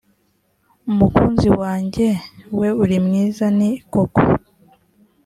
mukunzi wanjye we uri mwiza ni koko